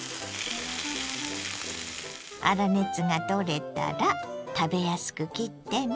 粗熱が取れたら食べやすく切ってね。